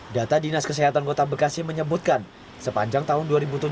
data dinas kesehatan kota bekasi menyebutkan sepanjang tahun dua ribu tujuh belas